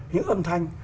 những âm thanh